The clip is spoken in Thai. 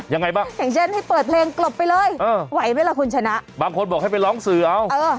ยังไงบ้างอย่างเช่นให้เปิดเพลงกลบไปเลยเออไหวไหมล่ะคุณชนะบางคนบอกให้ไปร้องเสือเอาเออ